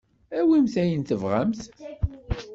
Awimt ayen tebɣamt.